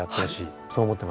そう思ってますね。